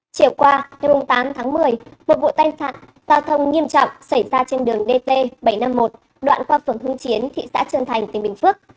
chiều qua ngày tám tháng một mươi một vụ tai nạn giao thông nghiêm trọng xảy ra trên đường dt bảy trăm năm mươi một đoạn qua phường hưng chiến thị xã trơn thành tỉnh bình phước